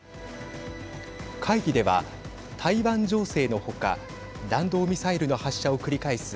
会議では、台湾情勢のほか弾道ミサイルの発射を繰り返す